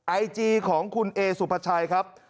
ไอจีของคุณเอสุภาชัยครับ